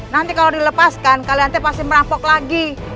nanti kalau dilepaskan kalianti pasti merampok lagi